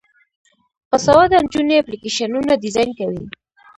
باسواده نجونې اپلیکیشنونه ډیزاین کوي.